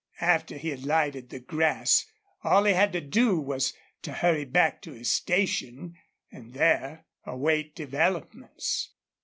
After he had lighted the grass all he had to do was to hurry back to his station and there await developments.